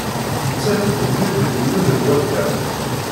Nettat d nekk d yiwen n waddar.